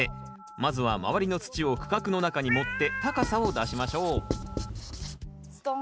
まずは周りの土を区画の中に盛って高さを出しましょうストン。